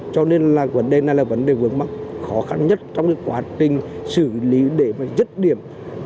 cho nên là vấn đề này là vấn đề vượt mắt khó khăn nhất trong quá trình xử lý để chất điểm